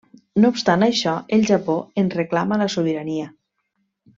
No obstant això, el Japó en reclama la sobirania.